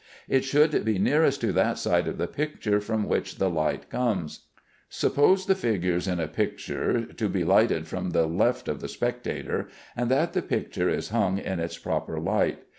It should be nearest to that side of the picture from which the light comes. Suppose the figures in a picture to be lighted from the left of the spectator, and that the picture is hung in its proper light.